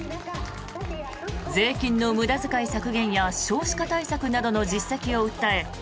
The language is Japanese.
税金の無駄遣い削減や少子化対策などの実績を訴え